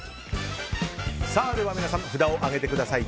では皆さん札を上げてください。